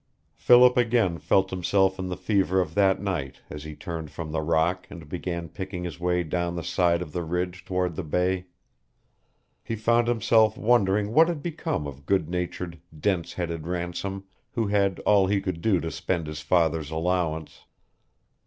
Philip again felt himself in the fever of that night as he turned from the rock and began picking his way down the side of the ridge toward the Bay. He found himself wondering what had become of good natured, dense headed Ransom, who had all he could do to spend his father's allowance.